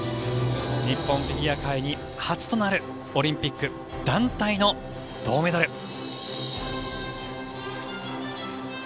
日本フィギュア界に初となるオリンピック団体の銅メダル。